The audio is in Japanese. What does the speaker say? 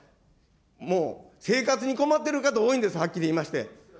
もう生活に困ってる方多いんです、はっきり言いまして。